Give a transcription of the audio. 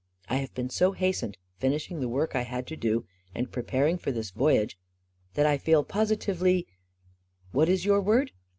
" I have been so hastened, finishing the work I had to do, and preparing for this voyage, that I feel posi tively — what is your word